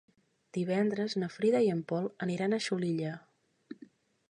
Divendres na Frida i en Pol aniran a Xulilla.